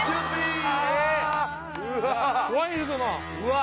・うわ！